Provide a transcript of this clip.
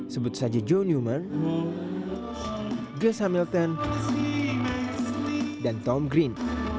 sebut saja joe newman gus hamilton dan tom green